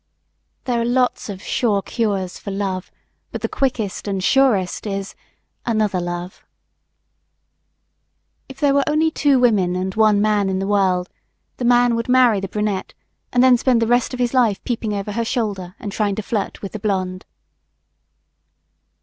There are lots of "sure cures" for love, but the quickest and surest is another love. If there were only two women and one man in the world, the man would marry the brunette and then spend the rest of his life peeping over her shoulder and trying to flirt with the blonde.